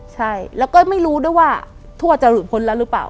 ใช่แล้วก็ไม่รู้ด้วยว่าทั่วจะหลุดพ้นแล้วหรือเปล่า